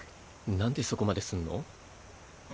なんでそこまですんの？